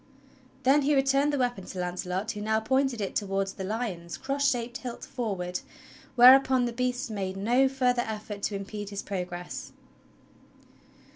Then he returned the weapon to Launcelot who now pointed it towards the lions cross shaped hilt forward, whereupon the beasts made no further effort to impede his progress.